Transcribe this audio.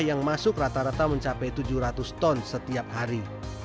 yang masuk rata rata mencapai tujuh ratus ton setiap hari